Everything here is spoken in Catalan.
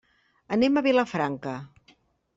Anem a Vilafranca.